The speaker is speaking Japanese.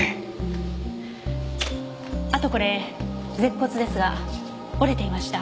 あとこれ舌骨ですが折れていました。